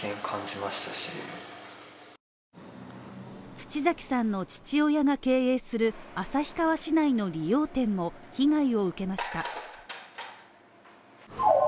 土崎さんの父親が経営する旭川市内の理容店も被害を受けました。